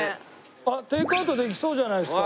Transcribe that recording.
あっテイクアウトできそうじゃないですか。